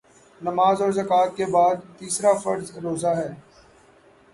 نماز اور زکوٰۃ کے بعدتیسرا فرض روزہ ہے